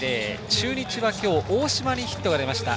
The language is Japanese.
中日は、今日大島にヒットが出ました。